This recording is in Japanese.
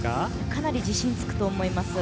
かなり自信つくと思います。